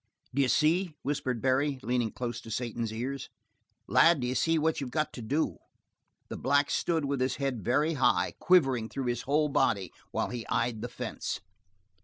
"D'ye see?" whispered Barry, leaning close to Satan's ears. "Lad, d'ye see what you've got to do?" The black stood with his head very high, quivering through his whole body while he eyed the fence.